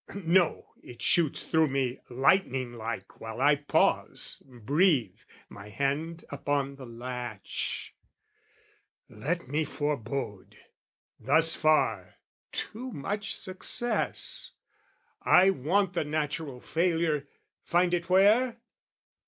no, it shoots through me lightning like While I pause, breathe, my hand upon the latch, "Let me forebode! Thus far, too much success: "I want the natural failure find it where?